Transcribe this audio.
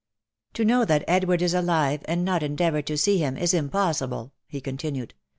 ' To know that Edward is alive, and not endeavour to see him is im possible," he continued.